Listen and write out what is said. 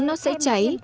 nó sẽ cháy